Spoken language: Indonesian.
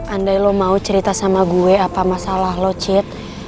andai lo mau cerita sama gue apa masalah lo chit